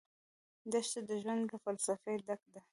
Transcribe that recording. دښته د ژوند له فلسفې ډکه ده.